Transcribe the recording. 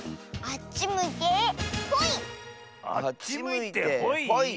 あっちむいてほい？